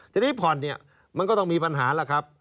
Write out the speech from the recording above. ทีนี้ผ่อนเนี่ยมันก็ต้องมีปัญหาล่ะครับ